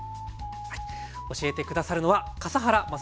教えて下さるのは笠原将弘さんです。